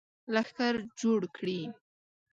لښکر جوړ کړي.